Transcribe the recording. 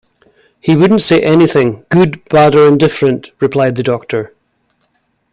“He wouldn’t say anything — good, bad or indifferent,” replied the doctor.